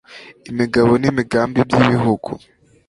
imigabo n'imigambi by'igihugu